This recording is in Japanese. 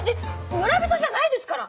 村人じゃないですから！